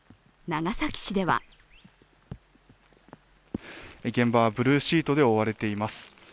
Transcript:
長崎市では現場はブルーシートで覆われています。